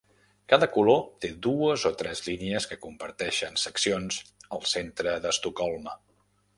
Cada color té dues o tres línies que comparteixen seccions al centre d'Estocolm.